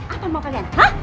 apa mau kalian hah